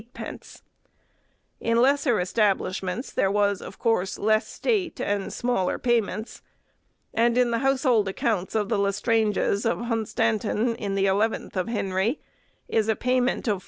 _ In lesser establishments there was, of course, less state and smaller payments; and in the household accounts of the Lestranges of Hunstanton, in the eleventh of Henry, is a payment of 4_d.